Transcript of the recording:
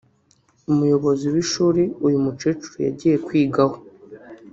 umuyobozi w’ishuri uyu mukecuru yagiye kwigaho